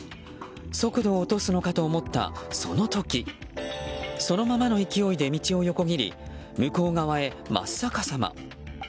速度を落とすのかと思ったその時そのままの勢いで道を横切り向こう側へ真っ逆さま。